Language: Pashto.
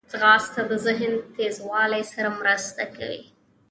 ځغاسته د ذهن تیزوالي سره مرسته کوي